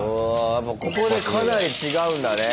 ここでかなり違うんだね。